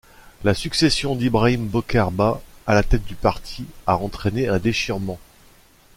La succession d’Ibrahim Bocar Bah à la tête du parti a entraîné un déchirement.